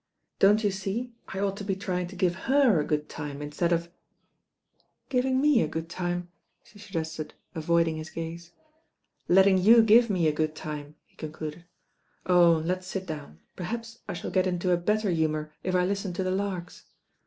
"Don't you see I ought to be trying tc pve her a good time instead of " "Giving me a good time," she suggested avoiding his gaze. "Letting you give me a good time," he concluded. "Oh ! let's sit down, perhaps I shall get into a better humour if I listen to the larks.